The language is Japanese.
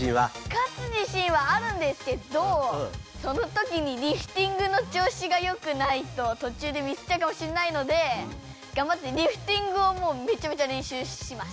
勝つ自信はあるんですけどそのときにリフティングのちょうしがよくないととちゅうでミスっちゃうかもしんないのでがんばってリフティングをめちゃめちゃ練習します。